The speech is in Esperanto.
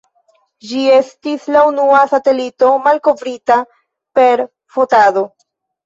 Ĝi estis la unua satelito malkovrita per fotado.